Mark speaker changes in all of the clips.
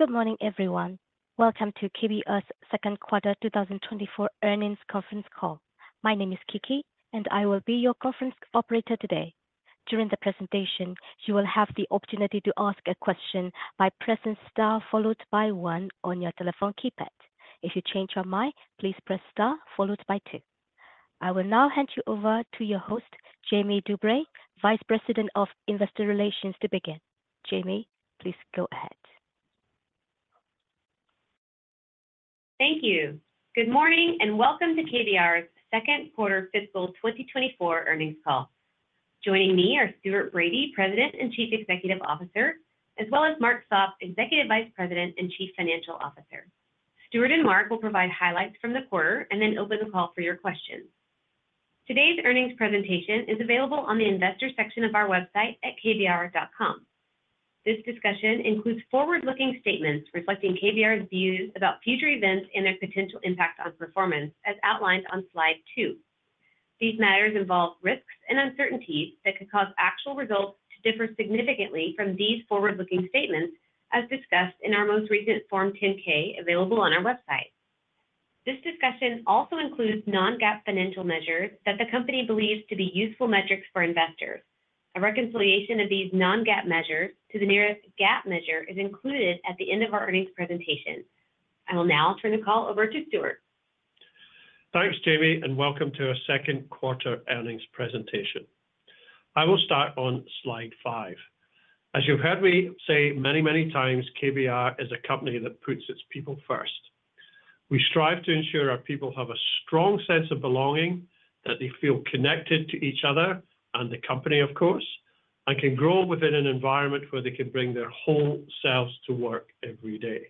Speaker 1: Good morning, everyone. Welcome to KBR's second quarter 2024 earnings conference call. My name is Kiki, and I will be your conference operator today. During the presentation, you will have the opportunity to ask a question by pressing Star followed by one on your telephone keypad. If you change your mind, please press Star followed by two. I will now hand you over to your host, Jamie DuBray, Vice President of Investor Relations, to begin. Jamie, please go ahead.
Speaker 2: Thank you. Good morning, and welcome to KBR's second quarter fiscal 2024 earnings call. Joining me are Stuart Bradie, President and Chief Executive Officer, as well as Mark Sopp, Executive Vice President and Chief Financial Officer. Stuart and Mark will provide highlights from the quarter and then open the call for your questions. Today's earnings presentation is available on the investor section of our website at kbr.com. This discussion includes forward-looking statements reflecting KBR's views about future events and their potential impact on performance, as outlined on slide two. These matters involve risks and uncertainties that could cause actual results to differ significantly from these forward-looking statements, as discussed in our most recent Form 10-K, available on our website. This discussion also includes non-GAAP financial measures that the company believes to be useful metrics for investors. A reconciliation of these non-GAAP measures to the nearest GAAP measure is included at the end of our earnings presentation. I will now turn the call over to Stuart.
Speaker 3: Thanks, Jamie, and welcome to our second quarter earnings presentation. I will start on slide 5. As you've heard me say many, many times, KBR is a company that puts its people first. We strive to ensure our people have a strong sense of belonging, that they feel connected to each other and the company, of course, and can grow within an environment where they can bring their whole selves to work every day.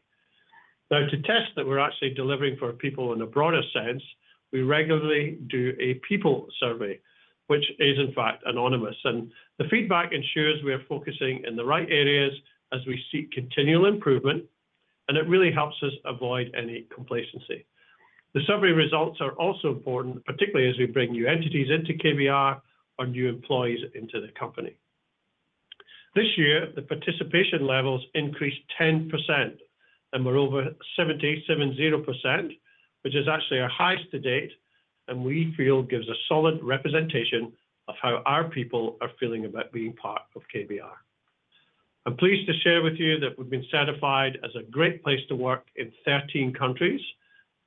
Speaker 3: Now, to test that we're actually delivering for our people in a broader sense, we regularly do a people survey, which is, in fact, anonymous, and the feedback ensures we are focusing in the right areas as we seek continual improvement, and it really helps us avoid any complacency. The survey results are also important, particularly as we bring new entities into KBR or new employees into the company. This year, the participation levels increased 10% and were over 77.0%, which is actually our highest to date, and we feel gives a solid representation of how our people are feeling about being part of KBR. I'm pleased to share with you that we've been certified as a great place to work in 13 countries,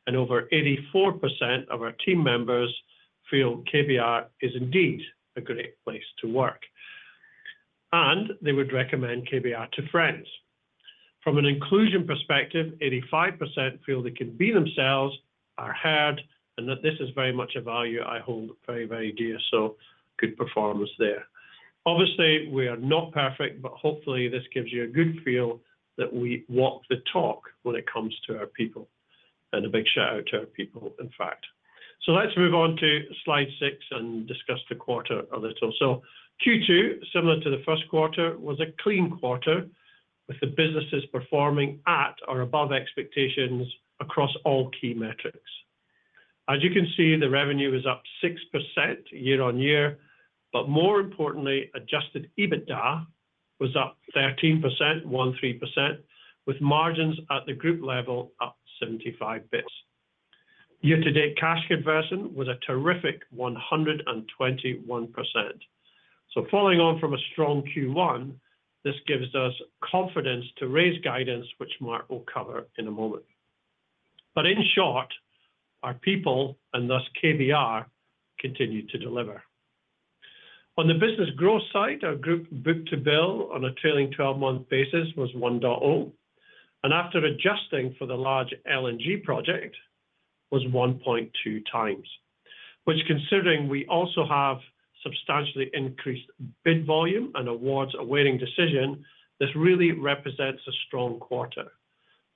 Speaker 3: and over 84% of our team members feel KBR is indeed a great place to work, and they would recommend KBR to friends. From an inclusion perspective, 85% feel they can be themselves, are heard, and that this is very much a value I hold very, very dear, so good performance there. Obviously, we are not perfect, but hopefully, this gives you a good feel that we walk the talk when it comes to our people. A big shout-out to our people, in fact. So let's move on to slide 6 and discuss the quarter a little. So Q2, similar to the first quarter, was a clean quarter, with the businesses performing at or above expectations across all key metrics. As you can see, the revenue is up 6% year-on-year, but more importantly, adjusted EBITDA was up 13%, 13%, with margins at the group level up 75 basis points. Year-to-date cash conversion was a terrific 121%. So following on from a strong Q1, this gives us confidence to raise guidance, which Mark will cover in a moment. But in short, our people, and thus KBR, continue to deliver. On the business growth side, our group book-to-bill on a trailing twelve-month basis was 1.0, and after adjusting for the large LNG project, was 1.2 times, which considering we also have substantially increased bid volume and awards awaiting decision, this really represents a strong quarter.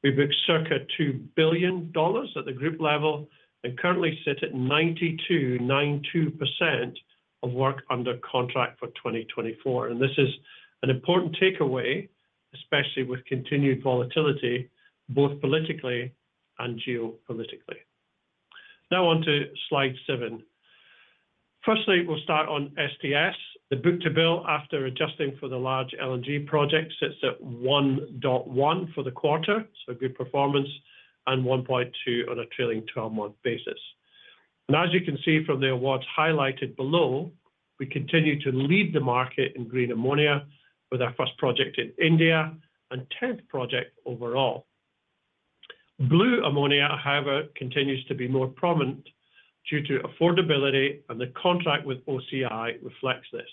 Speaker 3: We booked circa $2 billion at the group level and currently sit at 92.92% of work under contract for 2024, and this is an important takeaway, especially with continued volatility, both politically and geopolitically. Now on to slide 7. Firstly, we'll start on STS. The book-to-bill, after adjusting for the large LNG project, sits at 1.1 for the quarter, so good performance, and 1.2 on a trailing twelve-month basis. As you can see from the awards highlighted below, we continue to lead the market in green ammonia with our first project in India and tenth project overall. Blue ammonia, however, continues to be more prominent due to affordability, and the contract with OCI reflects this.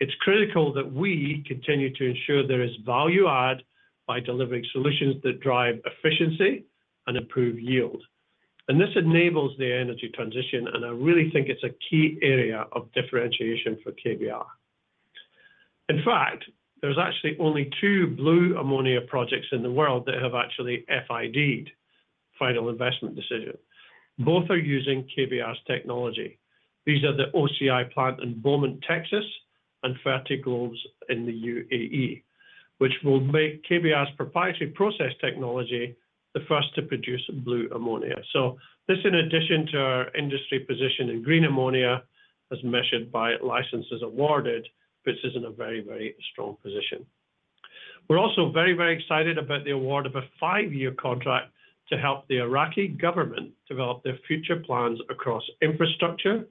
Speaker 3: It's critical that we continue to ensure there is value add by delivering solutions that drive efficiency and improve yield. And this enables the energy transition, and I really think it's a key area of differentiation for KBR. In fact, there's actually only 2 blue ammonia projects in the world that have actually FID'd, Final Investment Decision. Both are using KBR's technology. These are the OCI plant in Beaumont, Texas, and Fertiglobe's in the UAE, which will make KBR's proprietary process technology the first to produce blue ammonia. So this, in addition to our industry position in green ammonia-... As measured by licenses awarded, which is in a very, very strong position. We're also very, very excited about the award of a 5-year contract to help the Iraqi government develop their future plans across infrastructure,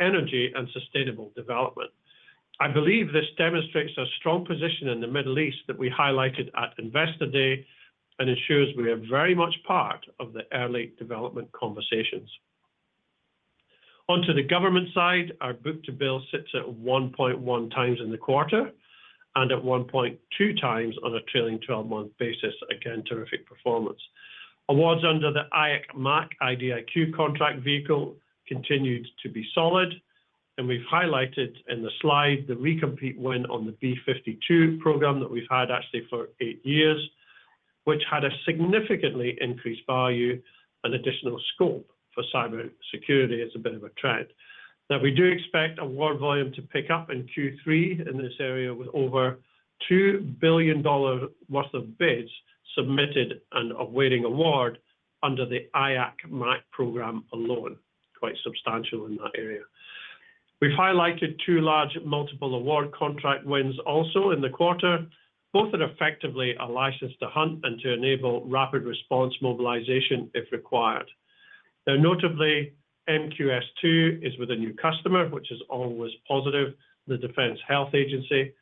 Speaker 3: energy, and sustainable development. I believe this demonstrates a strong position in the Middle East that we highlighted at Investor Day, and ensures we are very much part of the early development conversations. Onto the government side, our book-to-bill sits at 1.1x in the quarter, and at 1.2x on a trailing twelve-month basis. Again, terrific performance. Awards under the IAC-MAC IDIQ contract vehicle continued to be solid, and we've highlighted in the slide the recompete win on the B-52 program that we've had actually for 8 years, which had a significantly increased value and additional scope for cybersecurity. It's a bit of a trend. Now we do expect award volume to pick up in Q3 in this area, with over $2 billion worth of bids submitted and awaiting award under the IAC-MAC program alone. Quite substantial in that area. We've highlighted two large multiple award contract wins also in the quarter. Both are effectively a license to hunt and to enable rapid response mobilization if required. Now, notably, MQS-2 is with a new customer, which is always positive, the Defense Health Agency,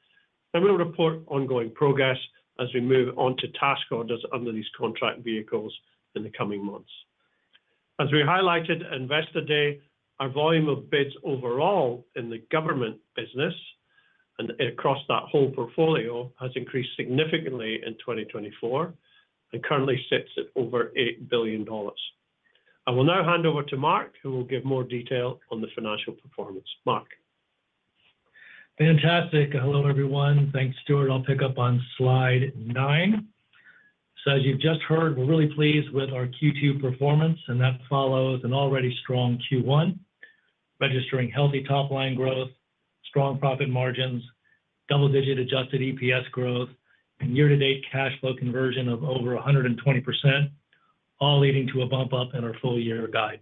Speaker 3: and we'll report ongoing progress as we move on to task orders under these contract vehicles in the coming months. As we highlighted at Investor Day, our volume of bids overall in the government business and across that whole portfolio has increased significantly in 2024 and currently sits at over $8 billion. I will now hand over to Mark, who will give more detail on the financial performance. Mark?
Speaker 4: Fantastic. Hello, everyone. Thanks, Stuart. I'll pick up on slide 9. As you've just heard, we're really pleased with our Q2 performance, and that follows an already strong Q1, registering healthy top-line growth, strong profit margins, double-digit adjusted EPS growth, and year-to-date cash flow conversion of over 120%, all leading to a bump up in our full-year guide.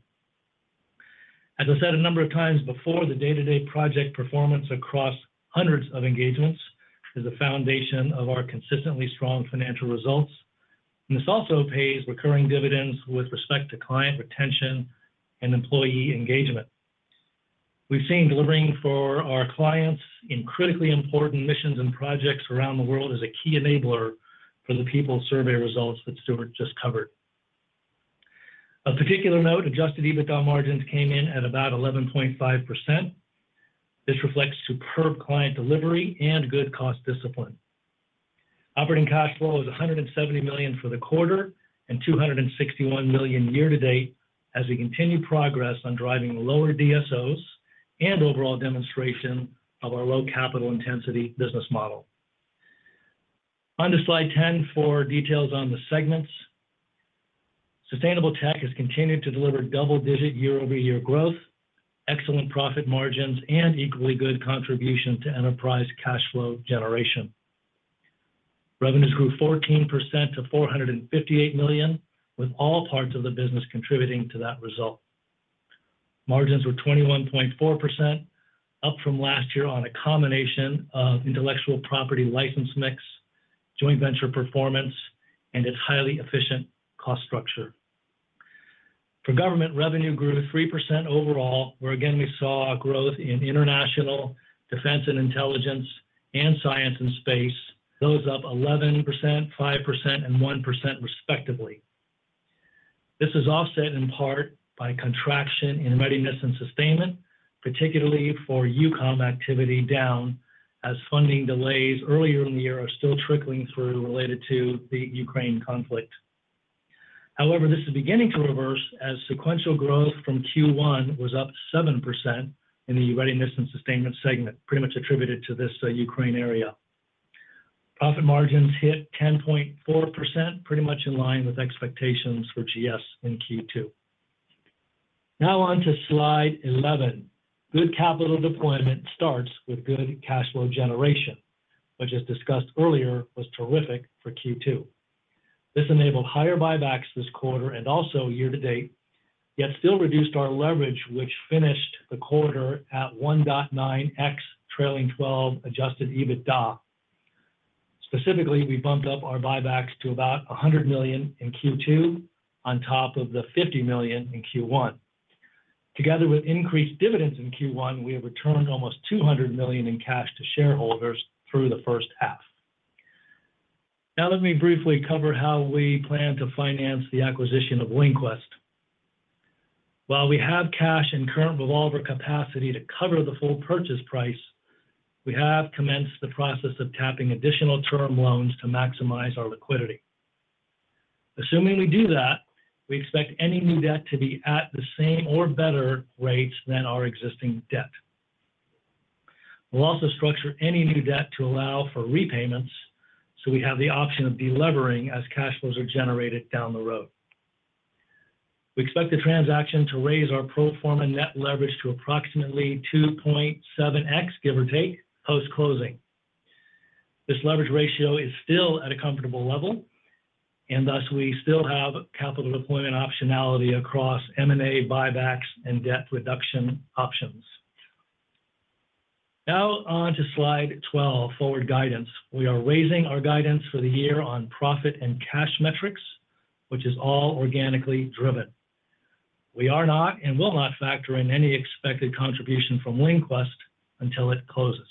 Speaker 4: As I said a number of times before, the day-to-day project performance across hundreds of engagements is a foundation of our consistently strong financial results, and this also pays recurring dividends with respect to client retention and employee engagement. We've seen delivering for our clients in critically important missions and projects around the world as a key enabler for the people survey results that Stuart just covered. Of particular note, adjusted EBITDA margins came in at about 11.5%. This reflects superb client delivery and good cost discipline. Operating cash flow is $170 million for the quarter and $261 million year to date, as we continue progress on driving lower DSOs and overall demonstration of our low capital intensity business model. On to slide 10 for details on the segments. Sustainable tech has continued to deliver double-digit year-over-year growth, excellent profit margins, and equally good contribution to enterprise cash flow generation. Revenues grew 14% to $458 million, with all parts of the business contributing to that result. Margins were 21.4%, up from last year on a combination of intellectual property license mix, joint venture performance, and its highly efficient cost structure. For government, revenue grew 3% overall, where again, we saw a growth in international, defense and intelligence, and science and space. Those up 11%, 5%, and 1% respectively. This is offset in part by contraction in readiness and sustainment, particularly for EUCOM activity down, as funding delays earlier in the year are still trickling through related to the Ukraine conflict. However, this is beginning to reverse as sequential growth from Q1 was up 7% in the readiness and sustainment segment, pretty much attributed to this, Ukraine area. Profit margins hit 10.4%, pretty much in line with expectations for GS in Q2. Now on to slide 11. Good capital deployment starts with good cash flow generation, which, as discussed earlier, was terrific for Q2. This enabled higher buybacks this quarter and also year to date, yet still reduced our leverage, which finished the quarter at 1.9x trailing twelve Adjusted EBITDA. Specifically, we bumped up our buybacks to about $100 million in Q2 on top of the $50 million in Q1. Together with increased dividends in Q1, we have returned almost $200 million in cash to shareholders through the first half. Now, let me briefly cover how we plan to finance the acquisition of LinQuest. While we have cash and current revolver capacity to cover the full purchase price, we have commenced the process of tapping additional term loans to maximize our liquidity. Assuming we do that, we expect any new debt to be at the same or better rates than our existing debt. We'll also structure any new debt to allow for repayments, so we have the option of delevering as cash flows are generated down the road. We expect the transaction to raise our pro forma net leverage to approximately 2.7x, give or take, post-closing. This leverage ratio is still at a comfortable level, and thus we still have capital deployment optionality across M&A buybacks and debt reduction options. Now on to Slide 12, forward guidance. We are raising our guidance for the year on profit and cash metrics, which is all organically driven. We are not and will not factor in any expected contribution from LinQuest until it closes.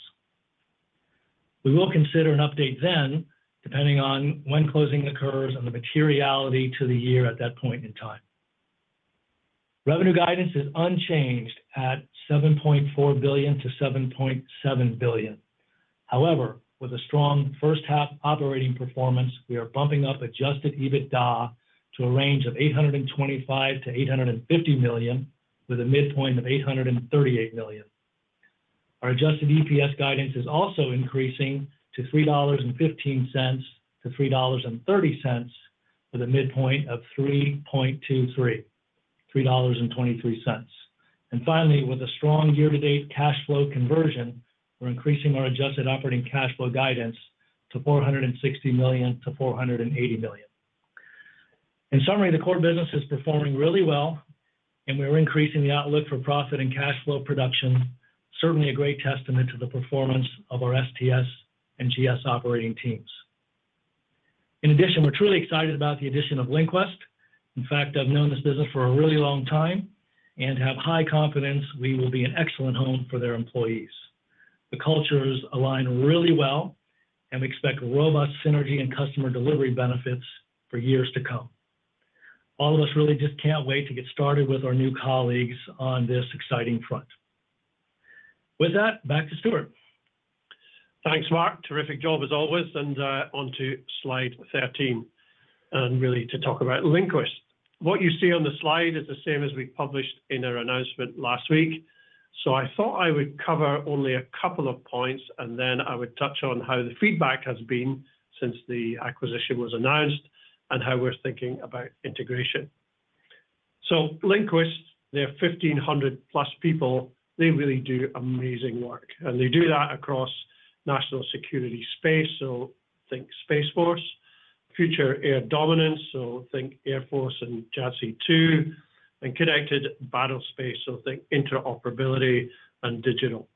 Speaker 4: We will consider an update then, depending on when closing occurs and the materiality to the year at that point in time. Revenue guidance is unchanged at $7.4 billion-$7.7 billion. However, with a strong first half operating performance, we are bumping up Adjusted EBITDA to a range of $825 million-$850 million, with a midpoint of $838 million. Our Adjusted EPS guidance is also increasing to $3.15-$3.30, with a midpoint of $3.23. Finally, with a strong year-to-date cash flow conversion, we're increasing our adjusted operating cash flow guidance to $460 million-$480 million. In summary, the core business is performing really well, and we are increasing the outlook for profit and cash flow production, certainly a great testament to the performance of our STS and GS operating teams. In addition, we're truly excited about the addition of LinQuest. In fact, I've known this business for a really long time and have high confidence we will be an excellent home for their employees. The cultures align really well, and we expect robust synergy and customer delivery benefits for years to come. All of us really just can't wait to get started with our new colleagues on this exciting front. With that, back to Stuart.
Speaker 3: Thanks, Mark. Terrific job, as always, and on to slide 13, and really to talk about LinQuest. What you see on the slide is the same as we published in our announcement last week, so I thought I would cover only a couple of points, and then I would touch on how the feedback has been since the acquisition was announced and how we're thinking about integration. So LinQuest, they're 1,500+ people, they really do amazing work, and they do that across national security space. So think Space Force, future air dominance, so think Air Force and JC2, and connected battlespace, so think interoperability and digital.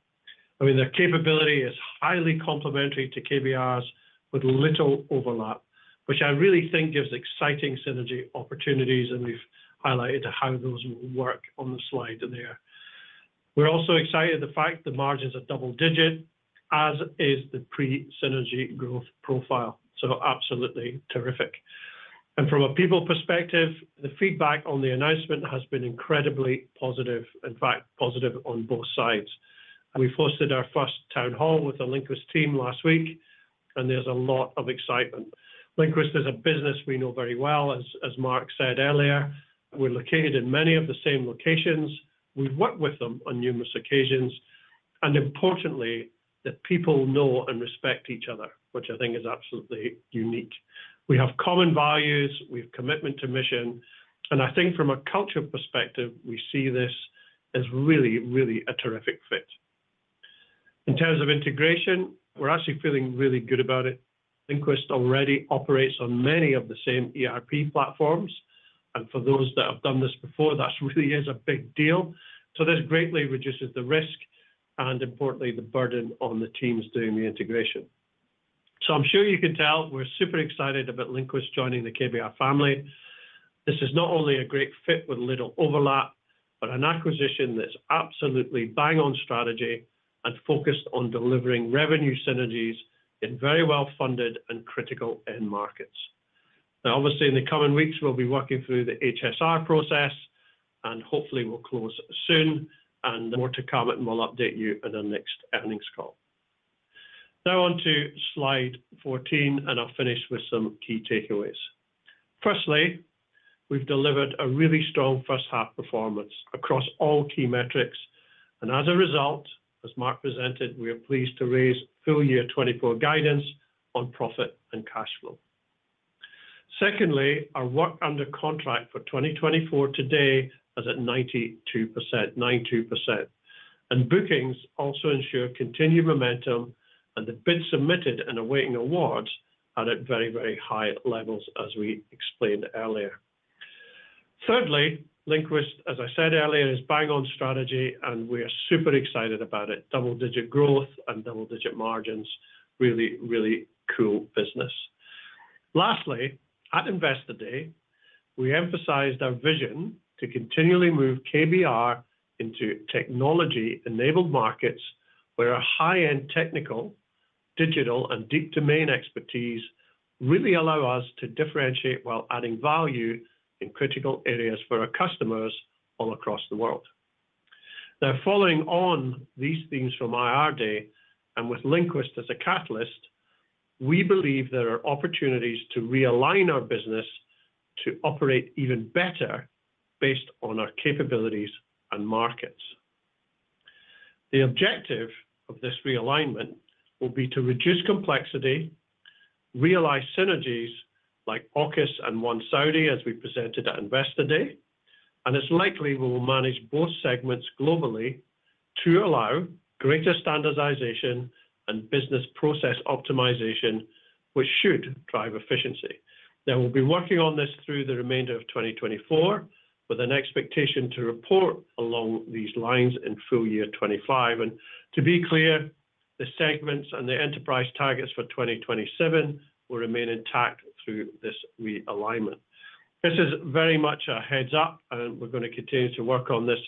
Speaker 3: I mean, their capability is highly complementary to KBR's, with little overlap, which I really think gives exciting synergy opportunities, and we've highlighted how those will work on the slide in there. We're also excited the fact the margins are double digit, as is the pre-synergy growth profile, so absolutely terrific. And from a people perspective, the feedback on the announcement has been incredibly positive, in fact, positive on both sides. We hosted our first town hall with the LinQuest team last week, and there's a lot of excitement. LinQuest is a business we know very well, as, as Mark said earlier, we're located in many of the same locations. We've worked with them on numerous occasions, and importantly, the people know and respect each other, which I think is absolutely unique. We have common values, we have commitment to mission, and I think from a culture perspective, we see this as really, really a terrific fit. In terms of integration, we're actually feeling really good about it. LinQuest already operates on many of the same ERP platforms, and for those that have done this before, that really is a big deal. So this greatly reduces the risk and importantly, the burden on the teams doing the integration. So I'm sure you can tell we're super excited about LinQuest joining the KBR family. This is not only a great fit with little overlap, but an acquisition that's absolutely bang on strategy and focused on delivering revenue synergies in very well-funded and critical end markets. Now, obviously, in the coming weeks, we'll be working through the HSR process, and hopefully, we'll close soon and more to come, and we'll update you in the next earnings call. Now on to slide 14, and I'll finish with some key takeaways. Firstly, we've delivered a really strong first half performance across all key metrics, and as a result, as Mark presented, we are pleased to raise full year 2024 guidance on profit and cash flow. Secondly, our work under contract for 2024 today is at 92%, 92%, and bookings also ensure continued momentum, and the bids submitted and awaiting awards are at very, very high levels, as we explained earlier. Thirdly, LinQuest, as I said earlier, is bang on strategy, and we are super excited about it. Double-digit growth and double-digit margins. Really, really cool business. Lastly, at Investor Day, we emphasized our vision to continually move KBR into technology-enabled markets, where our high-end technical, digital, and deep domain expertise really allow us to differentiate while adding value in critical areas for our customers all across the world. Now, following on these themes from IR Day and with LinQuest as a catalyst, we believe there are opportunities to realign our business to operate even better based on our capabilities and markets. The objective of this realignment will be to reduce complexity, realize synergies like AUKUS and One Saudi, as we presented at Investor Day, and it's likely we will manage both segments globally to allow greater standardization and business process optimization, which should drive efficiency. Now, we'll be working on this through the remainder of 2024, with an expectation to report along these lines in full year 2025. And to be clear, the segments and the enterprise targets for 2027 will remain intact through this realignment. This is very much a heads up, and we're going to continue to work on this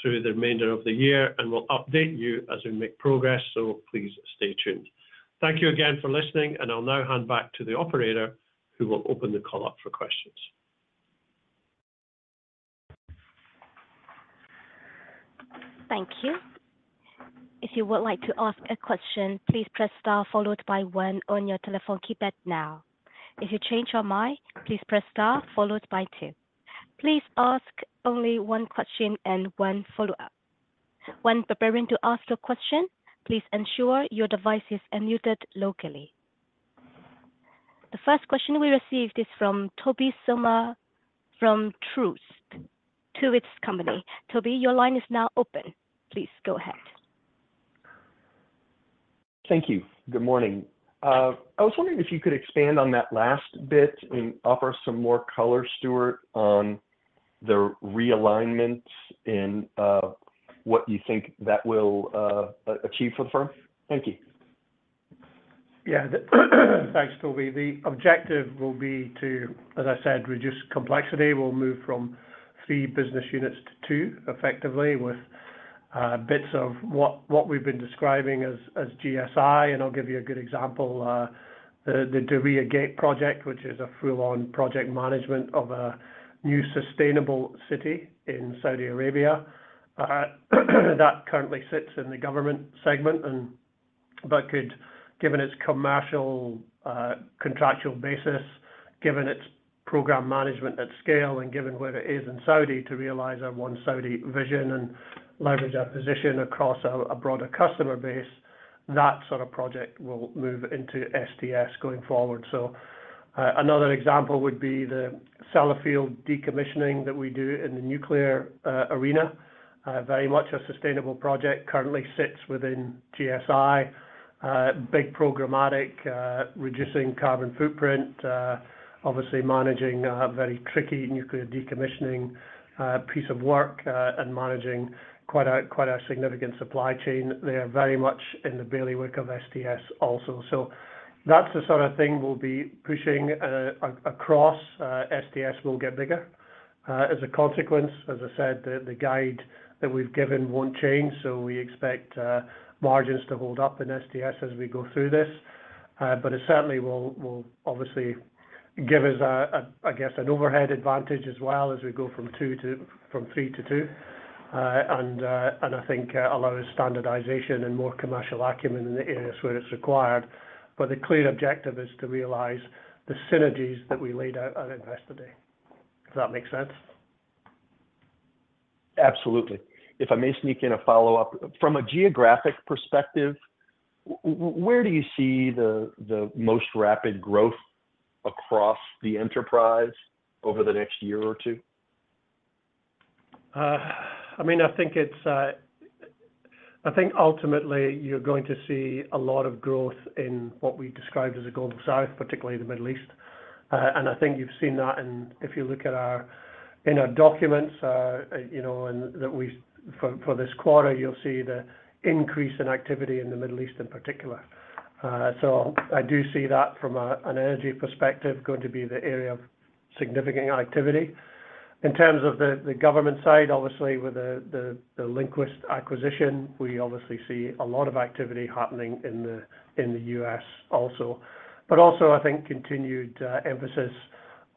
Speaker 3: through the remainder of the year, and we'll update you as we make progress. Please stay tuned. Thank you again for listening, and I'll now hand back to the operator, who will open the call up for questions.
Speaker 1: Thank you. If you would like to ask a question, please press Star followed by one on your telephone keypad now. If you change your mind, please press Star followed by two. Please ask only one question and one follow-up. When preparing to ask a question, please ensure your device is unmuted locally. The first question we received is from Tobey Sommer from Truist Securities. Toby, your line is now open. Please go ahead.
Speaker 5: Thank you. Good morning. I was wondering if you could expand on that last bit and offer some more color, Stuart, on the realignments and what you think that will achieve for the firm? Thank you.
Speaker 3: Yeah. Thanks, Toby. The objective will be to, as I said, reduce complexity. We'll move from three business units to two, effectively, with bits of what we've been describing as GSI, and I'll give you a good example. The Diriyah Gate project, which is a full-on project management of a new sustainable city in Saudi Arabia, that currently sits in the government segment but could, given its commercial contractual basis, given its program management at scale, and given where it is in Saudi, to realize our One Saudi vision and leverage our position across a broader customer base, that sort of project will move into STS going forward. So, another example would be the Sellafield decommissioning that we do in the nuclear arena. Very much a sustainable project, currently sits within GSI, big programmatic, reducing carbon footprint, obviously managing a very tricky nuclear decommissioning, piece of work, and managing quite a significant supply chain there, very much in the daily work of STS also. So that's the sort of thing we'll be pushing across, STS will get bigger. As a consequence, as I said, the guide that we've given won't change, so we expect margins to hold up in STS as we go through this. But it certainly will obviously give us a, I guess, an overhead advantage as well as we go from three to two. And I think allow standardization and more commercial acumen in the areas where it's required. But the clear objective is to realize the synergies that we laid out at Investor Day. Does that make sense?
Speaker 5: Absolutely. If I may sneak in a follow-up: From a geographic perspective, where do you see the, the most rapid growth across the enterprise over the next year or two?
Speaker 3: I mean, I think it's, I think ultimately you're going to see a lot of growth in what we described as the Global South, particularly the Middle East. And I think you've seen that in—if you look at our, in our documents, you know, and that we—for, for this quarter, you'll see the increase in activity in the Middle East in particular. So I do see that from an energy perspective, going to be the area of significant activity. In terms of the government side, obviously, with the LinQuest acquisition, we obviously see a lot of activity happening in the U.S. also, but also, I think, continued emphasis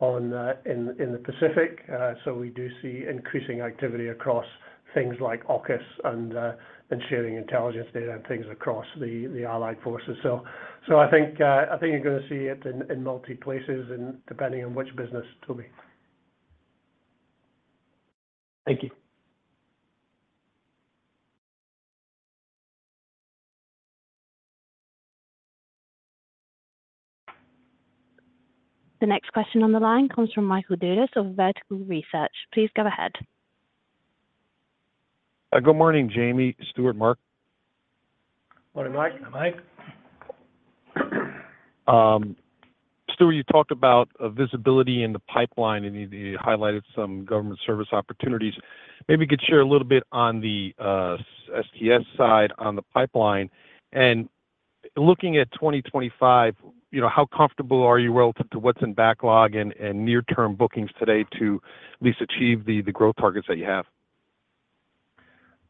Speaker 3: on in the Pacific. So we do see increasing activity across things like AUKUS and sharing intelligence data and things across the allied forces. So I think you're going to see it in multiple places and depending on which business, Toby.
Speaker 5: Thank you.
Speaker 1: The next question on the line comes from Michael Dudas of Vertical Research. Please go ahead.
Speaker 6: Good morning, Jamie, Stuart, Mark.
Speaker 3: Morning, Mike.
Speaker 1: Morning, Mike.
Speaker 6: Stuart, you talked about visibility in the pipeline, and you highlighted some government service opportunities. Maybe you could share a little bit on the STS side on the pipeline. And looking at 2025, you know, how comfortable are you relative to what's in backlog and near-term bookings today to at least achieve the growth targets that you have?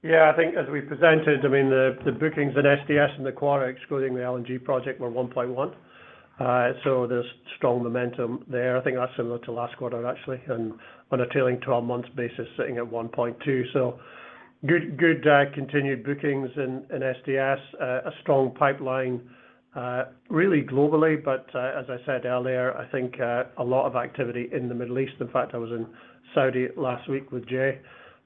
Speaker 3: Yeah, I think as we presented, I mean, the bookings in STS in the quarter, excluding the LNG project, were 1.1. So there's strong momentum there. I think that's similar to last quarter, actually, and on a trailing twelve-month basis, sitting at 1.2. So good, good, continued bookings in STS, a strong pipeline, really globally. But, as I said earlier, I think, a lot of activity in the Middle East. In fact, I was in Saudi last week with Jay,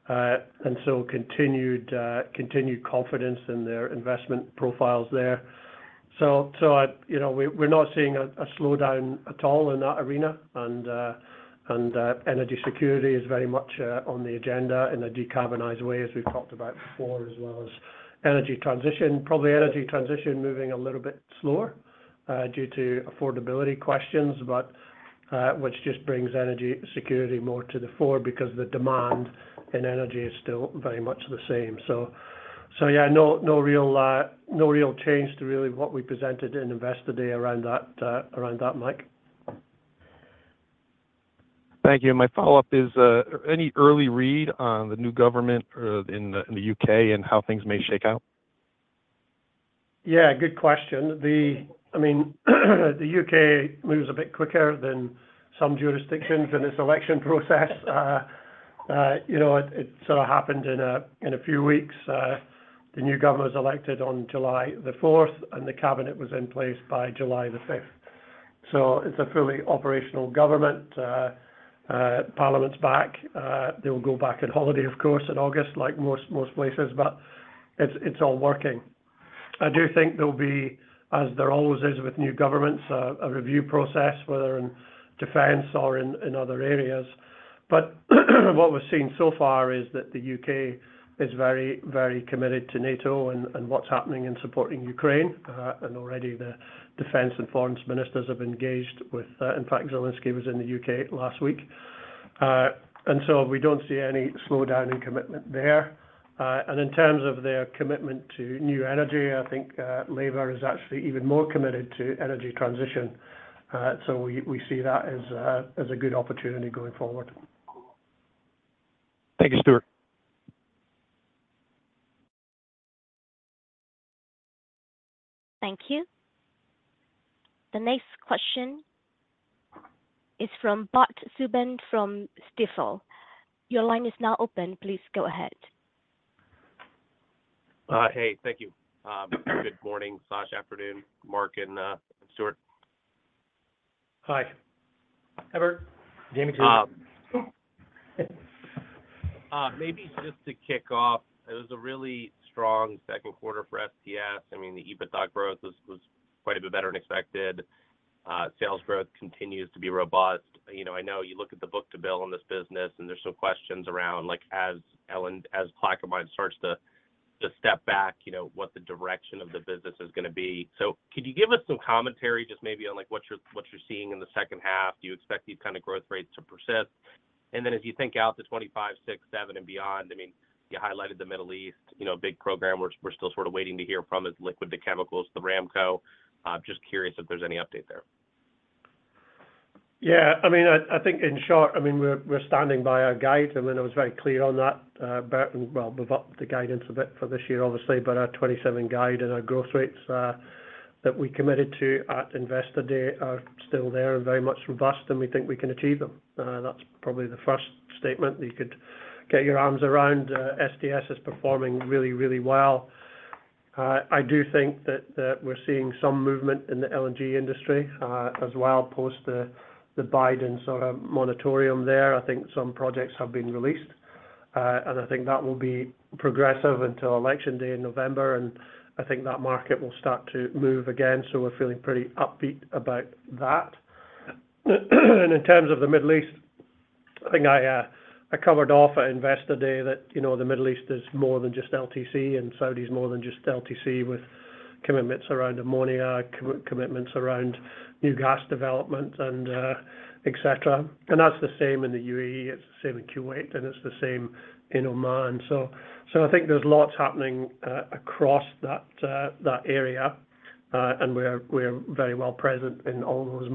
Speaker 3: and so continued, continued confidence in their investment profiles there. So, so I, you know, we, we're not seeing a slowdown at all in that arena. And, energy security is very much on the agenda in a decarbonized way, as we've talked about before, as well as energy transition. Probably energy transition moving a little bit slower, due to affordability questions, but which just brings energy security more to the fore because the demand in energy is still very much the same. So, yeah, no real change to really what we presented in Investor Day around that, around that, Mike.
Speaker 6: Thank you. My follow-up is, any early read on the new government in the UK and how things may shake out?
Speaker 3: Yeah, good question. The - I mean, the U.K. moves a bit quicker than some jurisdictions in this election process. You know, it sort of happened in a few weeks. The new government was elected on July the 4th, and the cabinet was in place by July the 5th. So it's a fully operational government. Parliament's back. They will go back on holiday, of course, in August, like most places, but it's all working. I do think there will be, as there always is with new governments, a review process, whether in defense or in other areas. But what we've seen so far is that the U.K. is very, very committed to NATO and what's happening in supporting Ukraine. Already the defense and foreign ministers have engaged with, in fact, Zelenskyy was in the UK last week. So we don't see any slowdown in commitment there. In terms of their commitment to new energy, I think, Labour is actually even more committed to energy transition. So we, we see that as a, as a good opportunity going forward.
Speaker 6: Thank you, Stuart.
Speaker 1: Thank you. The next question is from Bert Subin from Stifel. Your line is now open. Please go ahead.
Speaker 7: Hey, thank you. Good morning, slash, afternoon, Mark and Stuart.
Speaker 3: Hi. Hi, Bert. Jamie too.
Speaker 7: Maybe just to kick off, it was a really strong second quarter for STS. I mean, the EBITDA growth was quite a bit better than expected. Sales growth continues to be robust. You know, I know you look at the book-to-bill on this business, and there's some questions around, like, as in—as Plaquemines starts to step back, you know, what the direction of the business is going to be. So could you give us some commentary, just maybe on, like, what you're seeing in the second half? Do you expect these kind of growth rates to persist? And then as you think out to 2025, 2026, 2027, and beyond, I mean, you highlighted the Middle East, you know, big program, we're still sort of waiting to hear from as Liquids-to-Chemicals, the Aramco. Just curious if there's any update there?
Speaker 3: Yeah, I mean, I think in short, I mean, we're standing by our guide, and then I was very clear on that, but, well, we've upped the guidance a bit for this year, obviously, but our 2027 guide and our growth rates that we committed to at Investor Day are still there and very much robust, and we think we can achieve them. That's probably the first statement that you could get your arms around. STS is performing really, really well. I do think that we're seeing some movement in the LNG industry as well, post the Biden sort of moratorium there. I think some projects have been released, and I think that will be progressive until election day in November, and I think that market will start to move again. So we're feeling pretty upbeat about that. And in terms of the Middle East, I think I, I covered off at Investor Day that, you know, the Middle East is more than just LTC, and Saudi is more than just LTC, with commitments around ammonia, commitments around new gas development and, et cetera. And that's the same in the UAE, it's the same in Kuwait, and it's the same in Oman. So, I think there's lots happening, across that area, and we're, we're very well present in all those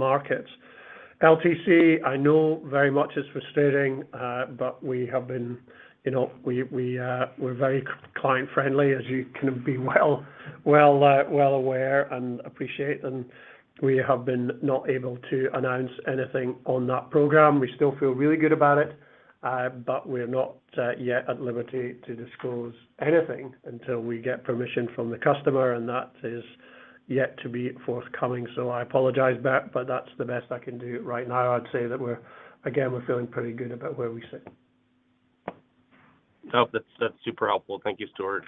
Speaker 3: markets. LTC, I know very much is frustrating, but we have been, you know, we, we, we're very client friendly, as you can be well, well, well aware and appreciate, and we have been not able to announce anything on that program. We still feel really good about it, but we're not yet at liberty to disclose anything until we get permission from the customer, and that is yet to be forthcoming. So I apologize, Bert, but that's the best I can do right now. I'd say that we're, again, we're feeling pretty good about where we sit.
Speaker 7: Oh, that's super helpful. Thank you, Stuart.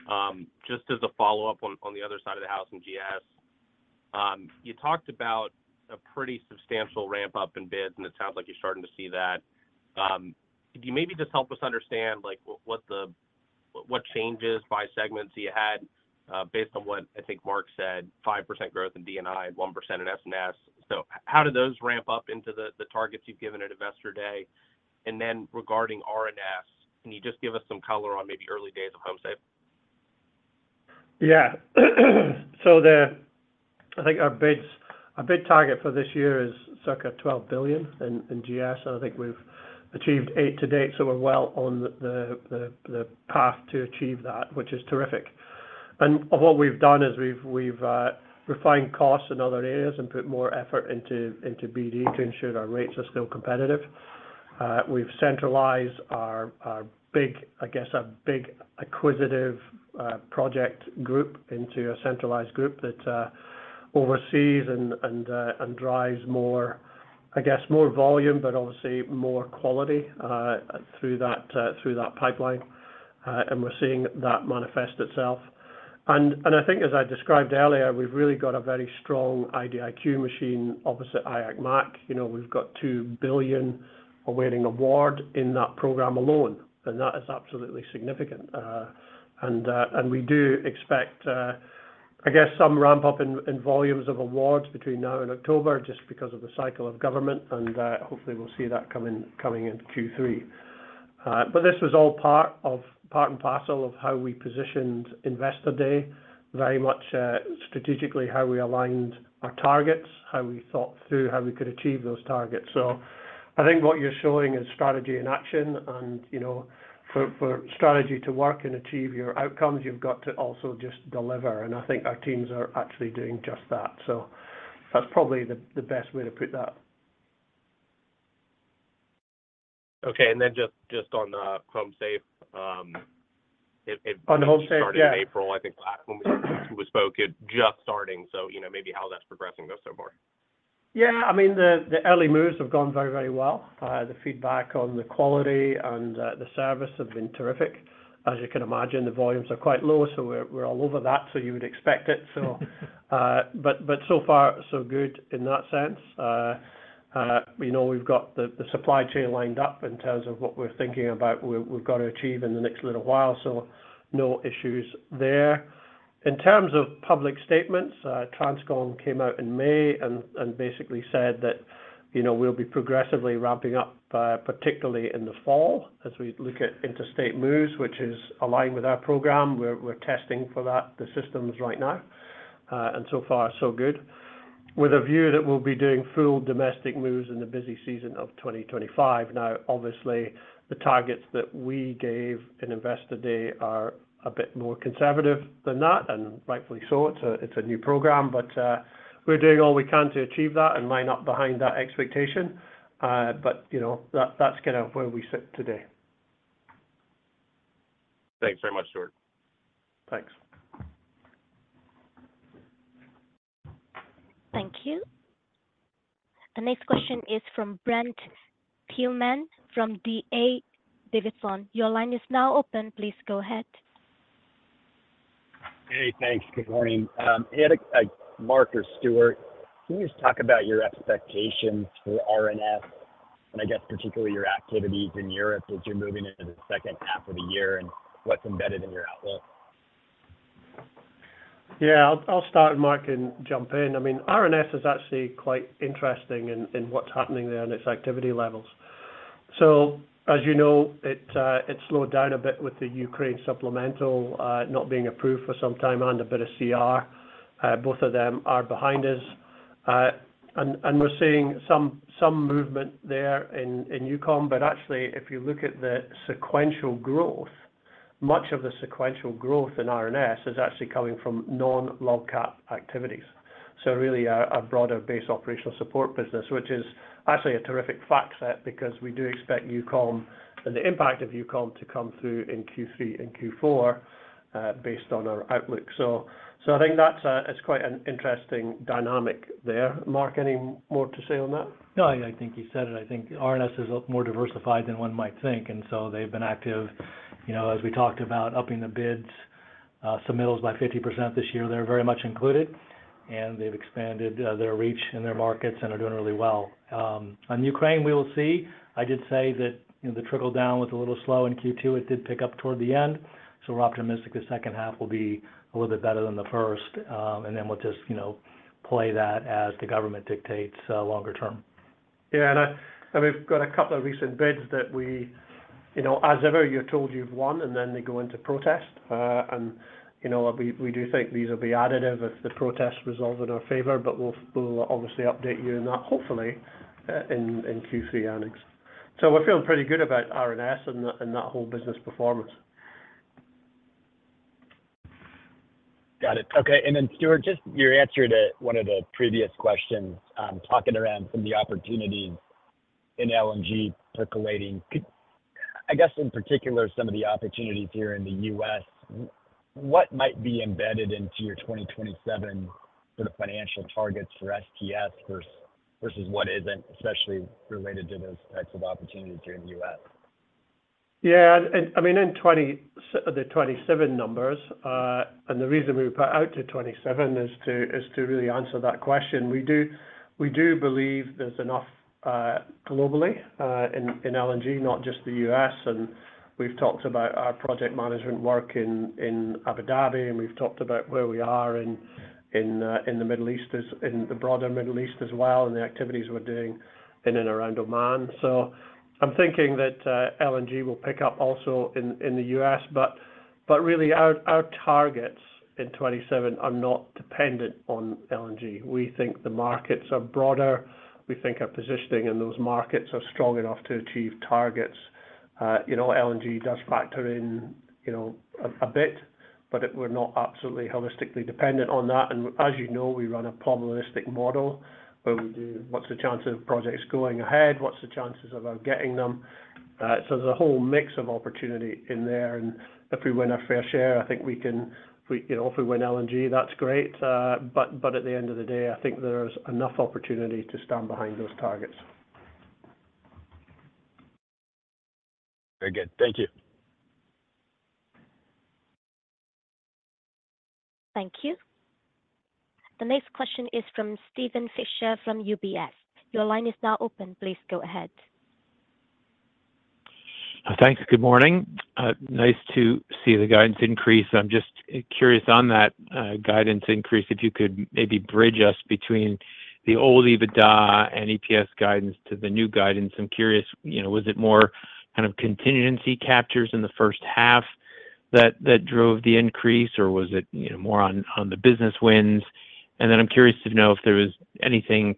Speaker 7: Just as a follow-up on the other side of the house in GS, you talked about a pretty substantial ramp up in bids, and it sounds like you're starting to see that. Could you maybe just help us understand, like, what changes by segments you had, based on what I think Mark said, 5% growth in DNI and 1% in SNS. So how do those ramp up into the targets you've given at Investor Day? And then regarding RNS, can you just give us some color on maybe early days of HomeSafe?
Speaker 3: Yeah. So I think our bids, our bid target for this year is circa $12 billion in GS, and I think we've achieved $8 billion to date, so we're well on the path to achieve that, which is terrific. And what we've done is we've refined costs in other areas and put more effort into BD to ensure our rates are still competitive. We've centralized our big acquisitive project group into a centralized group that oversees and drives more volume, but obviously more quality through that pipeline, and we're seeing that manifest itself. And I think as I described earlier, we've really got a very strong IDIQ machine opposite IAC-MAC. You know, we've got $2 billion awaiting award in that program alone, and that is absolutely significant. And we do expect, I guess, some ramp up in volumes of awards between now and October, just because of the cycle of government, and hopefully we'll see that coming in Q3. But this was all part and parcel of how we positioned Investor Day, very much strategically, how we aligned our targets, how we thought through how we could achieve those targets. So I think what you're showing is strategy in action. And, you know, for strategy to work and achieve your outcomes, you've got to also just deliver, and I think our teams are actually doing just that. So that's probably the best way to put that.
Speaker 7: Okay. And then just, just on the HomeSafe, it-
Speaker 3: On the HomeSafe, yeah
Speaker 7: It started in April, I think, last when we spoke, it just starting. So, you know, maybe how that's progressing though, so far?
Speaker 3: Yeah. I mean, the early moves have gone very, very well. The feedback on the quality and the service have been terrific. As you can imagine, the volumes are quite low, so we're all over that, so you would expect it. So, but so far, so good in that sense. We know we've got the supply chain lined up in terms of what we're thinking about, we've got to achieve in the next little while, so no issues there. In terms of public statements, TRANSCOM came out in May and basically said that, you know, we'll be progressively ramping up, particularly in the fall as we look at interstate moves, which is aligned with our program. We're testing for that, the systems right now, and so far, so good. With a view that we'll be doing full domestic moves in the busy season of 2025. Now, obviously, the targets that we gave in Investor Day are a bit more conservative than that, and rightfully so. It's a new program, but we're doing all we can to achieve that and line up behind that expectation. But, you know, that's kind of where we sit today.
Speaker 7: Thanks very much, Stuart.
Speaker 3: Thanks.
Speaker 1: Thank you. The next question is from Brent Thielman, from D.A. Davidson. Your line is now open. Please go ahead.
Speaker 8: Hey, thanks. Good morning. Mark or Stuart, can you just talk about your expectations for RN and I guess, particularly your activities in Europe as you're moving into the second half of the year, and what's embedded in your outlook?
Speaker 3: Yeah, I'll, I'll start, and Mark can jump in. I mean, RNS is actually quite interesting in, in what's happening there and its activity levels. So as you know, it, it slowed down a bit with the Ukraine supplemental, not being approved for some time and a bit of CR. Both of them are behind us. And, and we're seeing some, some movement there in, in EUCOM, but actually, if you look at the sequential growth, much of the sequential growth in RNS is actually coming from non-LOGCAP activities. So really a, a broader-based operational support business, which is actually a terrific fact set because we do expect EUCOM and the impact of EUCOM to come through in Q3 and Q4, based on our outlook. So, so I think that's, it's quite an interesting dynamic there. Mark, any more to say on that?
Speaker 4: No, I think you said it. I think RNS is more diversified than one might think, and so they've been active, you know, as we talked about, upping the bids, submittals by 50% this year, they're very much included, and they've expanded, their reach in their markets and are doing really well. On Ukraine, we will see. I did say that, you know, the trickle-down was a little slow in Q2. It did pick up toward the end, so we're optimistic the second half will be a little bit better than the first. And then we'll just, you know, play that as the government dictates, longer term.
Speaker 3: Yeah, and we've got a couple of recent bids that we... You know, as ever, you're told you've won, and then they go into protest. And, you know, we do think these will be additive if the protest resolves in our favor, but we'll obviously update you on that, hopefully, in Q3 earnings. So we're feeling pretty good about RNS and that whole business performance.
Speaker 8: Got it. Okay, and then, Stuart, just your answer to one of the previous questions, talking around some of the opportunities in LNG percolating. Could, I guess, in particular, some of the opportunities here in the U.S., what might be embedded into your 2027 sort of financial targets for STS versus what isn't, especially related to those types of opportunities here in the U.S.?
Speaker 3: Yeah, and I mean, in the 2027 numbers, and the reason we put out to 2027 is to really answer that question. We do, we do believe there's enough globally in LNG, not just the US, and we've talked about our project management work in Abu Dhabi, and we've talked about where we are in the Middle East, as in the broader Middle East as well, and the activities we're doing in and around Oman. So I'm thinking that LNG will pick up also in the US, but really our targets in 2027 are not dependent on LNG. We think the markets are broader. We think our positioning in those markets are strong enough to achieve targets. You know, LNG does factor in, you know, a bit, but it, we're not absolutely holistically dependent on that. As you know, we run a probabilistic model, where we do what's the chance of projects going ahead? What's the chances of us getting them? So there's a whole mix of opportunity in there, and if we win our fair share, I think we can... We, you know, if we win LNG, that's great. But at the end of the day, I think there's enough opportunity to stand behind those targets....
Speaker 8: Very good. Thank you.
Speaker 1: Thank you. The next question is from Steven Fisher from UBS. Your line is now open. Please go ahead.
Speaker 9: Thanks. Good morning. Nice to see the guidance increase. I'm just curious on that guidance increase, if you could maybe bridge us between the old EBITDA and EPS guidance to the new guidance. I'm curious, you know, was it more kind of contingency captures in the first half that drove the increase, or was it, you know, more on the business wins? And then I'm curious to know if there was anything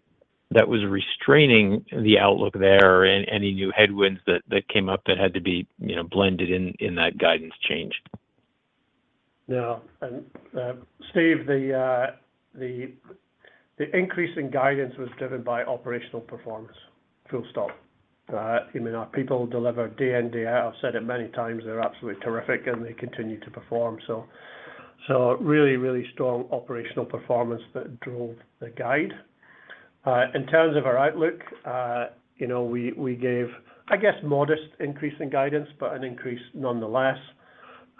Speaker 9: that was restraining the outlook there or any new headwinds that came up that had to be, you know, blended in that guidance change.
Speaker 3: Yeah. Steve, the increase in guidance was driven by operational performance, full stop. You know, our people deliver day in, day out. I've said it many times, they're absolutely terrific, and they continue to perform. So, really, really strong operational performance that drove the guide. In terms of our outlook, you know, we gave, I guess, a modest increase in guidance, but an increase nonetheless.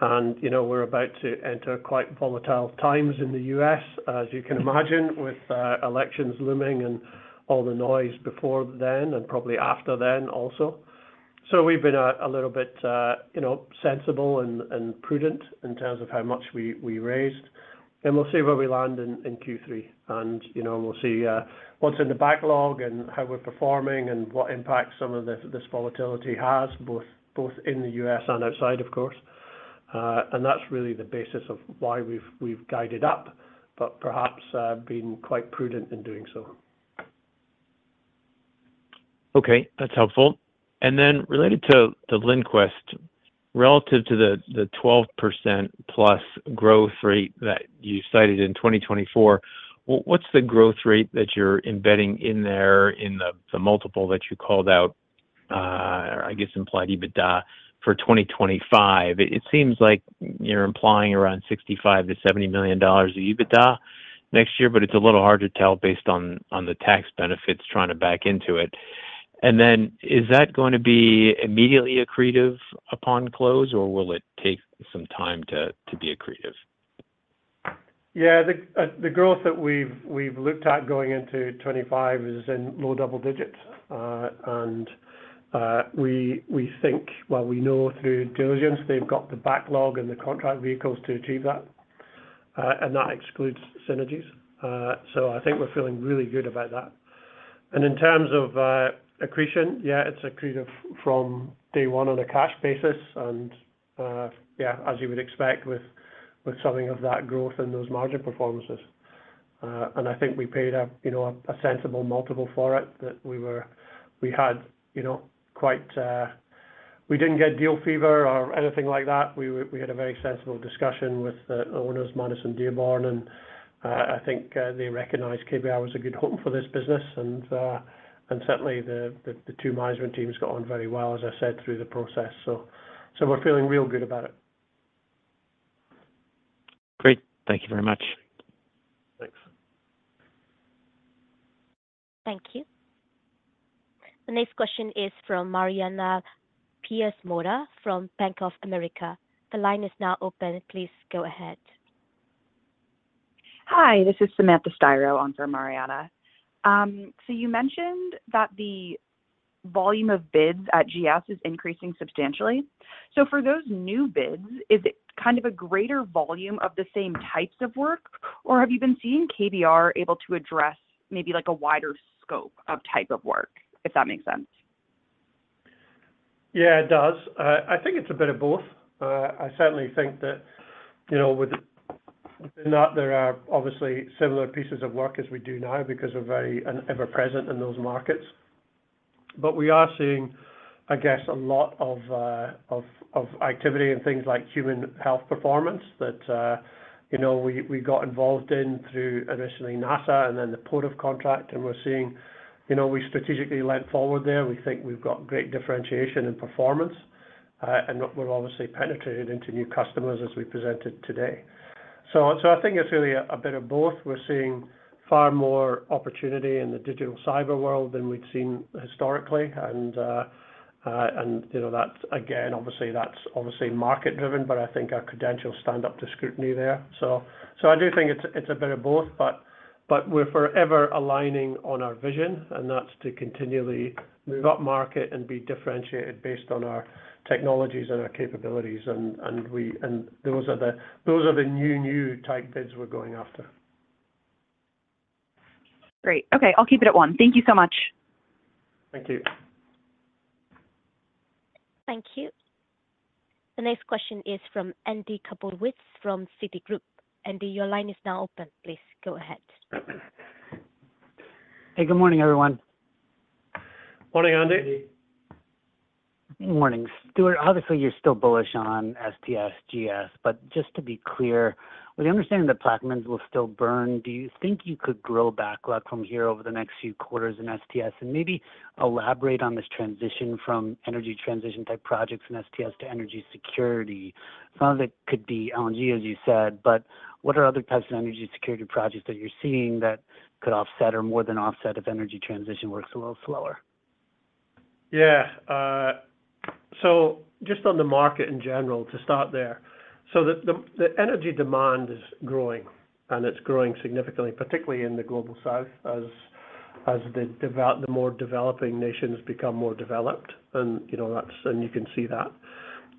Speaker 3: And, you know, we're about to enter quite volatile times in the U.S., as you can imagine, with elections looming and all the noise before then and probably after then also. So we've been a little bit, you know, sensible and prudent in terms of how much we raised. And we'll see where we land in Q3. You know, we'll see what's in the backlog and how we're performing and what impact some of this volatility has, both in the U.S. and outside, of course. That's really the basis of why we've guided up, but perhaps been quite prudent in doing so.
Speaker 9: Okay, that's helpful. Then related to the LinQuest, relative to the 12%+ growth rate that you cited in 2024, what's the growth rate that you're embedding in there in the multiple that you called out, I guess, implied EBITDA for 2025? It seems like you're implying around $65 million-$70 million of EBITDA next year, but it's a little hard to tell based on the tax benefits, trying to back into it. Then is that going to be immediately accretive upon close, or will it take some time to be accretive?
Speaker 3: Yeah, the growth that we've looked at going into 25 is in low double digits. And we think—well, we know through diligence, they've got the backlog and the contract vehicles to achieve that, and that excludes synergies. So I think we're feeling really good about that. And in terms of accretion, yeah, it's accretive from day one on a cash basis. And yeah, as you would expect with something of that growth and those margin performances. And I think we paid, you know, a sensible multiple for it, that we were, we had, you know, quite, we didn't get deal fever or anything like that. We had a very sensible discussion with the owners, Madison Dearborn, and I think they recognized KBR was a good home for this business. And certainly the two management teams got on very well, as I said, through the process. So we're feeling real good about it.
Speaker 9: Great. Thank you very much.
Speaker 3: Thanks.
Speaker 1: Thank you. The next question is from Mariana Perez Mora from Bank of America. The line is now open. Please go ahead.
Speaker 10: Hi, this is Samantha Stiroh on for Mariana. So you mentioned that the volume of bids at GS is increasing substantially. So for those new bids, is it kind of a greater volume of the same types of work, or have you been seeing KBR able to address maybe like a wider scope of type of work, if that makes sense?
Speaker 3: Yeah, it does. I think it's a bit of both. I certainly think that, you know, with that, there are obviously similar pieces of work as we do now because we're very and ever present in those markets. But we are seeing, I guess, a lot of activity in things like human health performance that, you know, we got involved in through initially NASA and then the POTFF contract, and we're seeing you know, we strategically leapt forward there. We think we've got great differentiation and performance, and we're obviously penetrated into new customers as we presented today. So I think it's really a bit of both. We're seeing far more opportunity in the digital cyber world than we've seen historically. And, you know, that's again obviously market driven, but I think our credentials stand up to scrutiny there. So, I do think it's a bit of both, but we're forever aligning on our vision, and that's to continually move upmarket and be differentiated based on our technologies and our capabilities. And those are the new type bids we're going after.
Speaker 10: Great. Okay, I'll keep it at one. Thank you so much.
Speaker 3: Thank you.
Speaker 1: Thank you. The next question is from Andy Kaplowitz from Citigroup. Andy, your line is now open. Please go ahead.
Speaker 11: Hey, good morning, everyone.
Speaker 3: Morning, Andy.
Speaker 11: Morning. Stuart, obviously, you're still bullish on STS GS, but just to be clear, we understand that Plaquemines will still burn. Do you think you could grow backlog from here over the next few quarters in STS? And maybe elaborate on this transition from energy transition type projects in STS to energy security. Some of it could be LNG, as you said, but what are other types of energy security projects that you're seeing that could offset or more than offset if energy transition works a little slower?
Speaker 3: Yeah, so just on the market in general, to start there. So the energy demand is growing, and it's growing significantly, particularly in the Global South, as the more developing nations become more developed. And, you know, that's, and you can see that.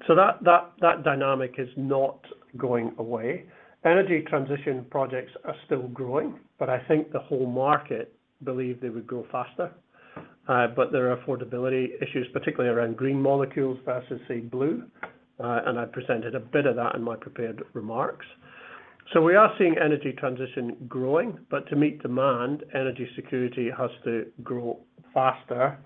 Speaker 3: So that dynamic is not going away. Energy transition projects are still growing, but I think the whole market believed they would grow faster. But there are affordability issues, particularly around green molecules versus, say, blue. And I presented a bit of that in my prepared remarks. So we are seeing energy transition growing, but to meet demand, energy security has to grow faster,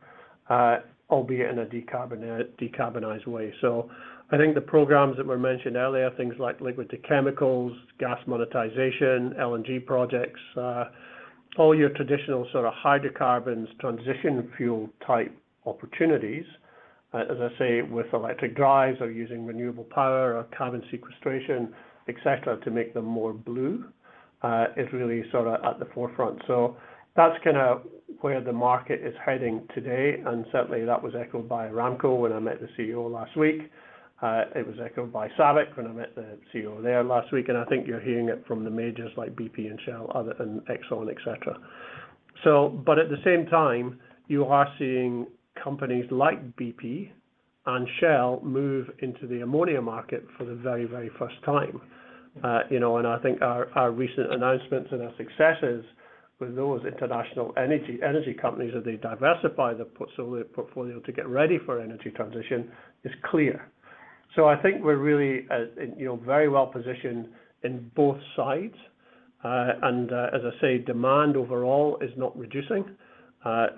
Speaker 3: albeit in a decarbonized way. So I think the programs that were mentioned earlier, things like liquid to chemicals, gas monetization, LNG projects, all your traditional sort of hydrocarbons, transition fuel type opportunities, as I say, with electric drives or using renewable power or carbon sequestration, et cetera, to make them more blue, is really sort of at the forefront. So that's kinda where the market is heading today, and certainly that was echoed by Aramco when I met the CEO last week. It was echoed by SABIC when I met the CEO there last week, and I think you're hearing it from the majors like BP and Shell, other than Exxon, et cetera. So but at the same time, you are seeing companies like BP and Shell move into the ammonia market for the very, very first time. You know, and I think our recent announcements and our successes with those international energy companies, as they diversify their portfolio to get ready for energy transition, is clear. So I think we're really, you know, very well positioned in both sides. And, as I say, demand overall is not reducing.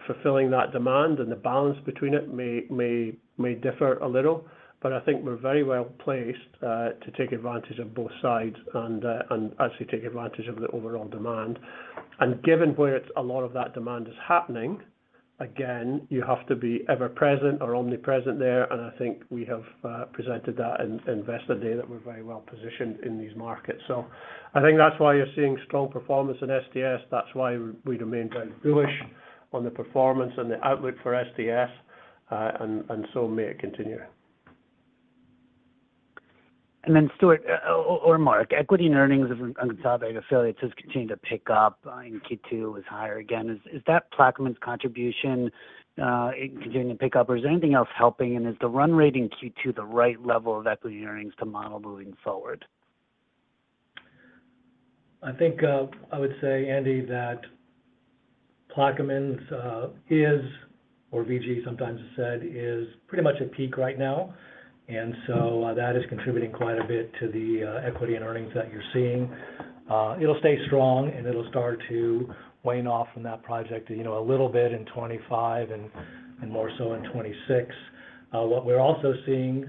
Speaker 3: Fulfilling that demand and the balance between it may differ a little, but I think we're very well placed to take advantage of both sides and actually take advantage of the overall demand. And given where it's a lot of that demand is happening, again, you have to be ever present or omnipresent there, and I think we have presented that in Investor Day, that we're very well positioned in these markets. So I think that's why you're seeing strong performance in STS. That's why we remain very bullish on the performance and the outlook for STS, and so may it continue.
Speaker 11: And then Stuart, or Mark, equity and earnings of consolidated affiliates has continued to pick up in Q2 was higher again. Is that Plaquemines' contribution continuing to pick up, or is there anything else helping, and is the run rate in Q2 the right level of equity earnings to model moving forward?
Speaker 4: I think, I would say, Andy, that Plaquemines, or VG sometimes is said, is pretty much at peak right now. And so, that is contributing quite a bit to the equity and earnings that you're seeing. It'll stay strong, and it'll start to wane off from that project, you know, a little bit in 2025 and more so in 2026. What we're also seeing,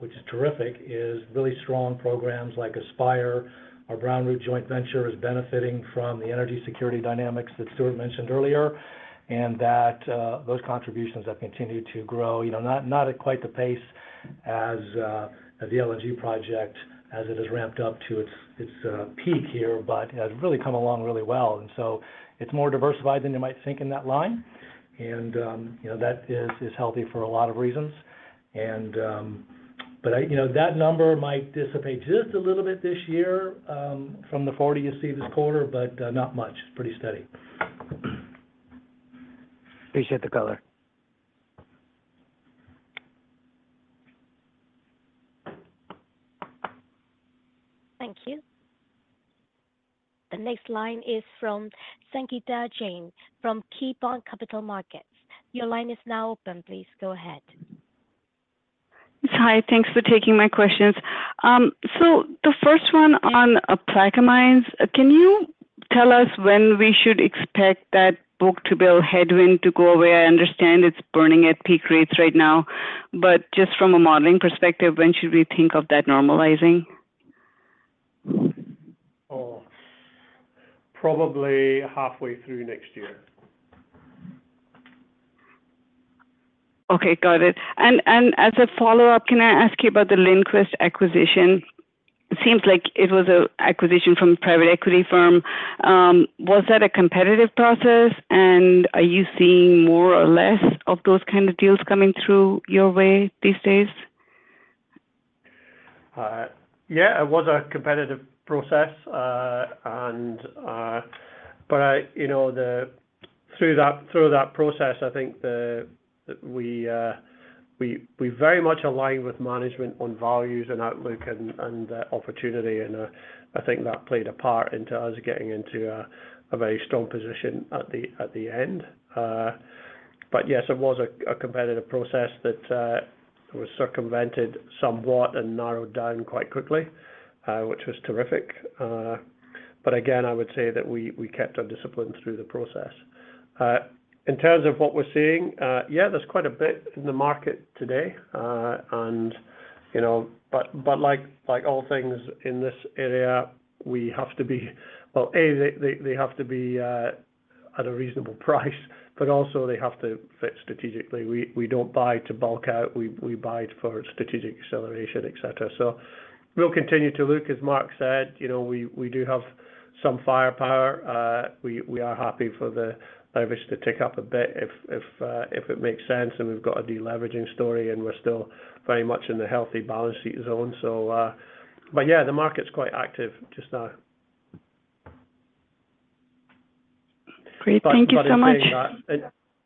Speaker 4: which is terrific, is really strong programs like Aspire. Our Brown & Root joint venture is benefiting from the energy security dynamics that Stuart mentioned earlier, and those contributions have continued to grow, you know, not at quite the pace as the LNG project as it has ramped up to its peak here, but has really come along really well. And so it's more diversified than you might think in that line. You know, that is healthy for a lot of reasons. You know, that number might dissipate just a little bit this year, from the 40 you see this quarter, but not much. Pretty steady.
Speaker 11: Appreciate the color.
Speaker 1: Thank you. The next line is from Sangita Jain, from KeyBanc Capital Markets. Your line is now open. Please go ahead.
Speaker 12: Hi, thanks for taking my questions. So the first one on, Plaquemines. Can you tell us when we should expect that book-to-bill headwind to go away? I understand it's burning at peak rates right now, but just from a modeling perspective, when should we think of that normalizing?
Speaker 3: Oh, probably halfway through next year.
Speaker 12: Okay, got it. And as a follow-up, can I ask you about the LinQuest acquisition? It seems like it was an acquisition from a private equity firm. Was that a competitive process? And are you seeing more or less of those kind of deals coming through your way these days?
Speaker 3: Yeah, it was a competitive process, and... But I, you know, through that process, I think we very much aligned with management on values and outlook and, and, opportunity. And I think that played a part into us getting into a very strong position at the end. But yes, it was a competitive process that was circumvented somewhat and narrowed down quite quickly, which was terrific. But again, I would say that we kept our discipline through the process. In terms of what we're seeing, yeah, there's quite a bit in the market today. And, you know, but, but like, like all things in this area, we have to be-- Well, A, they, they, they have to be... at a reasonable price, but also they have to fit strategically. We don't buy to bulk out, we buy it for strategic acceleration, et cetera. So we'll continue to look. As Mark said, you know, we do have some firepower. We are happy for the leverage to tick up a bit if it makes sense, and we've got a deleveraging story, and we're still very much in the healthy balance sheet zone. So, but yeah, the market's quite active just now.
Speaker 12: Great. Thank you so much.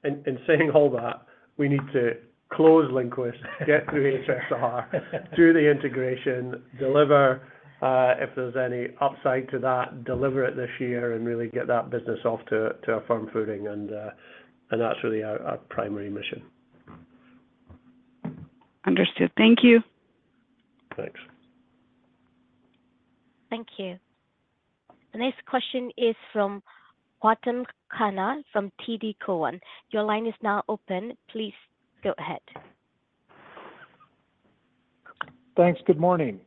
Speaker 3: And saying all that, we need to close LinQuest, get through HSR, through the integration, deliver, if there's any upside to that, deliver it this year and really get that business off to a firm footing, and that's really our primary mission.
Speaker 12: Understood. Thank you.
Speaker 3: Thanks.
Speaker 1: Thank you. The next question is from Gautam Khanna from TD Cowen. Your line is now open. Please go ahead.
Speaker 13: Thanks. Good morning.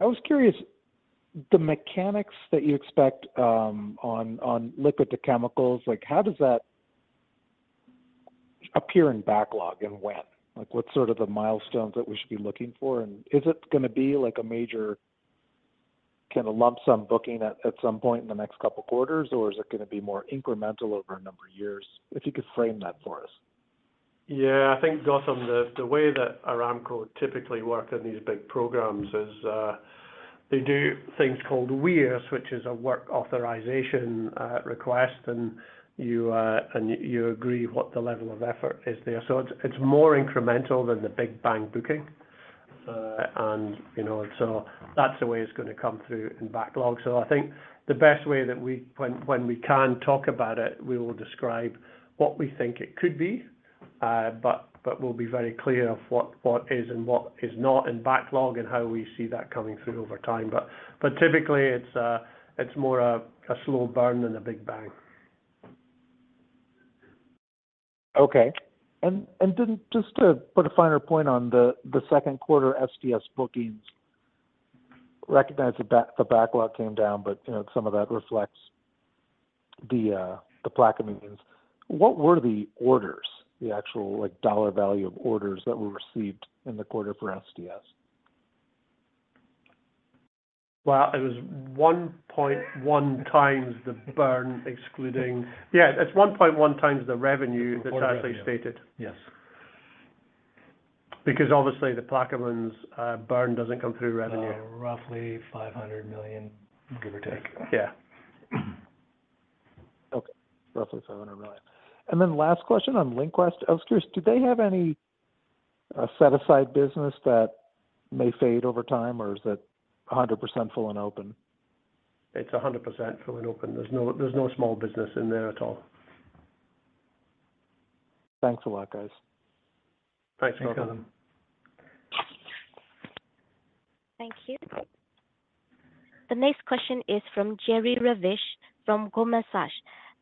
Speaker 13: I was curious, the mechanics that you expect on Liquid-to-Chemicals, like, how does that appear in backlog and when? Like, what's sort of the milestones that we should be looking for? And is it gonna be like a major kind of lump sum booking at some point in the next couple quarters, or is it gonna be more incremental over a number of years? If you could frame that for us.
Speaker 3: Yeah. I think, Gautam, the way that Aramco typically work in these big programs is, they do things called WIRS, which is a work authorization request, and you agree what the level of effort is there. So it's more incremental than the big bang booking. And, you know, so that's the way it's gonna come through in backlog. So I think the best way that we, when we can talk about it, we will describe what we think it could be, but we'll be very clear of what is and what is not in backlog and how we see that coming through over time. But typically it's more a slow burn than a big bang.
Speaker 13: Okay. And then just to put a finer point on the second quarter STS bookings, recognize the backlog came down, but you know, some of that reflects the Plaquemines. What were the orders, the actual, like, dollar value of orders that were received in the quarter for STS?
Speaker 3: Well, it was 1.1 times the burn, excluding... Yeah, it's 1.1 times the revenue, the revenue, as I stated.
Speaker 13: Yes.
Speaker 3: Because obviously, the Plaquemines burn doesn't come through revenue.
Speaker 13: Roughly $500 million, give or take.
Speaker 3: Yeah.
Speaker 13: Okay. Roughly $500 million. And then last question on LinQuest. I was curious, do they have any set-aside business that may fade over time, or is it 100% full and open?
Speaker 3: It's 100% full and open. There's no small business in there at all.
Speaker 13: Thanks a lot, guys.
Speaker 3: Thanks, Gautam.
Speaker 1: Thank you. The next question is from Jerry Revich from Goldman Sachs.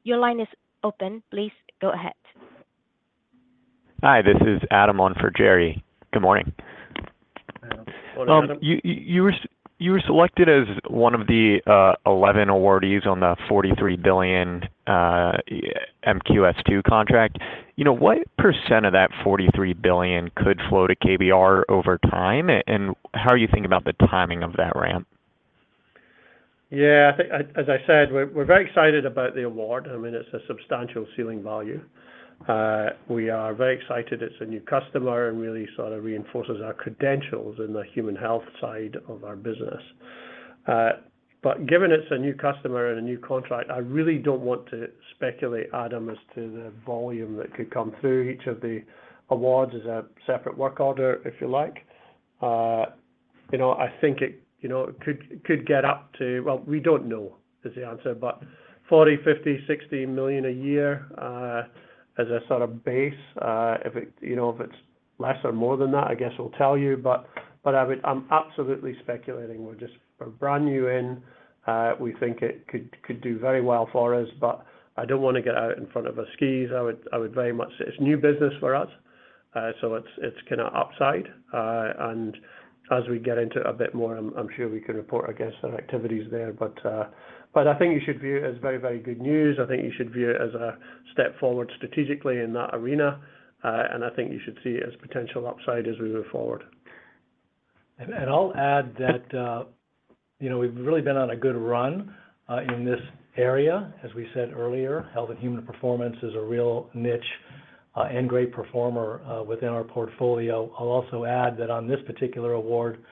Speaker 1: Your line is open. Please go ahead.
Speaker 14: Hi, this is Adam on for Jerry. Good morning.
Speaker 3: Morning, Adam.
Speaker 14: You were selected as one of the 11 awardees on the $43 billion MQS-2 contract. You know, what % of that $43 billion could flow to KBR over time, and how are you thinking about the timing of that ramp?
Speaker 3: Yeah, I think, as I said, we're very excited about the award. I mean, it's a substantial ceiling value. We are very excited. It's a new customer and really sort of reinforces our credentials in the human health side of our business. But given it's a new customer and a new contract, I really don't want to speculate, Adam, as to the volume that could come through. Each of the awards is a separate work order, if you like. You know, I think it could get up to... Well, we don't know, is the answer, but $40 million-$60 million a year, as a sort of base, if you know, if it's less or more than that, I guess we'll tell you. But I would—I'm absolutely speculating. We're just, we're brand new in, we think it could do very well for us, but I don't want to get out in front of our skis. I would very much say it's new business for us, so it's, it's kinda upside. And as we get into it a bit more, I'm sure we can report, I guess, on activities there. But, but I think you should view it as very, very good news. I think you should view it as a step forward strategically in that arena, and I think you should see it as potential upside as we move forward.
Speaker 4: I'll add that, you know, we've really been on a good run in this area. As we said earlier, Health and Human Performance is a real niche and great performer within our portfolio. I'll also add that on this particular award,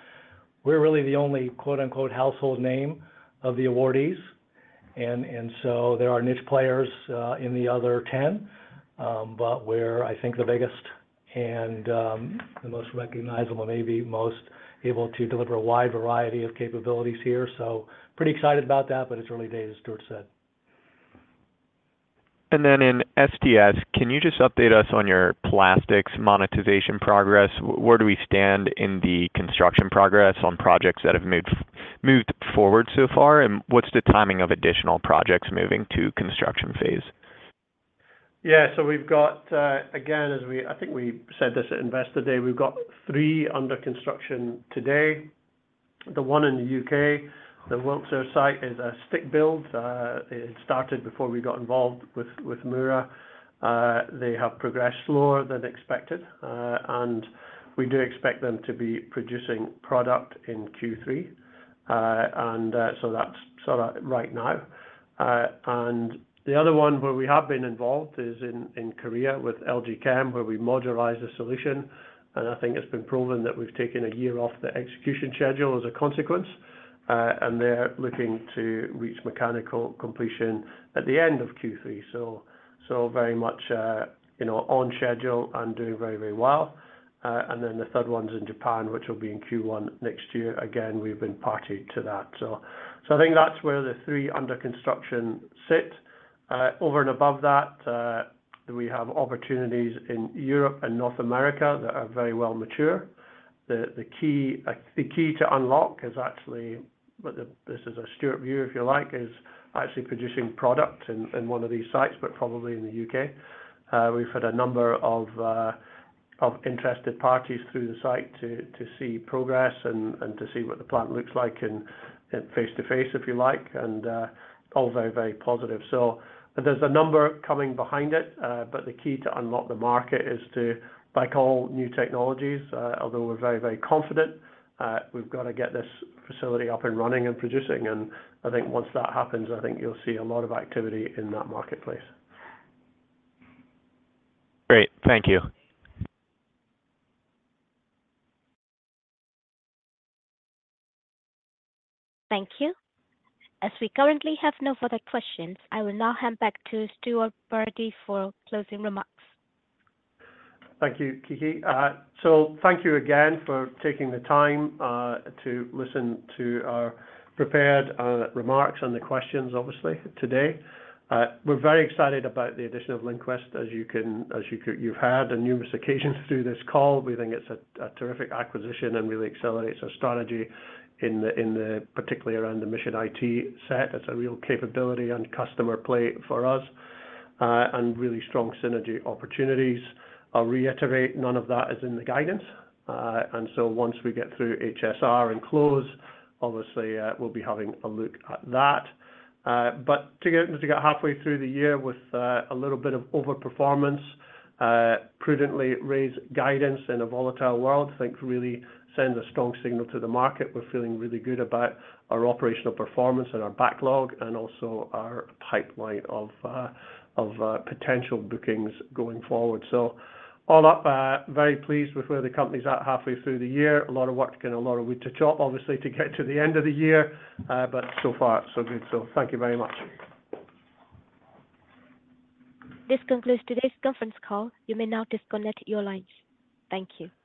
Speaker 4: we're really the only quote, unquote, "household name" of the awardees. And so there are niche players in the other 10, but we're, I think, the biggest and the most recognizable, maybe most able to deliver a wide variety of capabilities here. So pretty excited about that, but it's early days, as Stuart said.
Speaker 14: Then in STS, can you just update us on your plastics monetization progress? Where do we stand in the construction progress on projects that have moved, moved forward so far? And what's the timing of additional projects moving to construction phase?...
Speaker 3: Yeah, so we've got, again, I think we said this at Investor Day, we've got three under construction today. The one in the U.K., the Wilton site, is a stick build. It started before we got involved with Mura. They have progressed slower than expected, and we do expect them to be producing product in Q3. And so that's sort of right now. And the other one where we have been involved is in Korea with LG Chem, where we modularize the solution, and I think it's been proven that we've taken a year off the execution schedule as a consequence. And they're looking to reach mechanical completion at the end of Q3. So very much, you know, on schedule and doing very, very well. And then the third one's in Japan, which will be in Q1 next year. Again, we've been party to that. So, so I think that's where the three under construction sit. Over and above that, we have opportunities in Europe and North America that are very well mature. The key to unlock is actually, well, this is a Stuart view, if you like, is actually producing product in one of these sites, but probably in the UK. We've had a number of interested parties through the site to see progress and to see what the plant looks like in face-to-face, if you like, and all very, very positive. So there's a number coming behind it, but the key to unlock the market is to, like all new technologies, although we're very, very confident, we've got to get this facility up and running and producing. I think once that happens, I think you'll see a lot of activity in that marketplace.
Speaker 14: Great. Thank you.
Speaker 1: Thank you. As we currently have no further questions, I will now hand back to Stuart Bradie for closing remarks.
Speaker 3: Thank you, Kiki. So thank you again for taking the time to listen to our prepared remarks and the questions, obviously, today. We're very excited about the addition of LinQuest. As you've heard on numerous occasions through this call, we think it's a terrific acquisition and really accelerates our strategy in the, particularly around the mission IT set. It's a real capability and customer play for us, and really strong synergy opportunities. I'll reiterate, none of that is in the guidance. And so once we get through HSR and close, obviously, we'll be having a look at that. But to get halfway through the year with a little bit of overperformance, prudently raise guidance in a volatile world, I think really sends a strong signal to the market. We're feeling really good about our operational performance and our backlog and also our pipeline of potential bookings going forward. So all up, very pleased with where the company's at halfway through the year. A lot of work and a lot of wood to chop, obviously, to get to the end of the year, but so far, so good. So thank you very much.
Speaker 1: This concludes today's conference call. You may now disconnect your lines. Thank you.